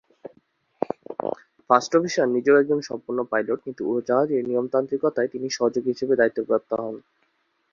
First officer নিজেও একজন সম্পূর্ণ পাইলট, কিন্তু উড়োজাহাজের নিয়মতান্ত্রিকতায় তিনি সহযোগী হিসেবে দায়িত্বপ্রাপ্ত হোন।